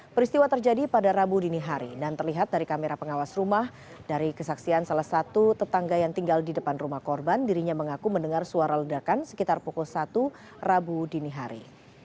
peristiwa terjadi pada rabu dini hari dan terlihat dari kamera pengawas rumah dari kesaksian salah satu tetangga yang tinggal di depan rumah korban dirinya mengaku mendengar suara ledakan sekitar pukul satu rabu dini hari